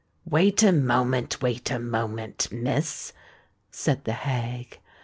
"Wait a moment—wait a moment, Miss," said the hag.